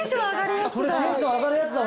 テンション上がるやつだ